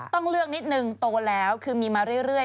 ต้องเลือกนิดนึงโตแล้วคือมีมาเรื่อย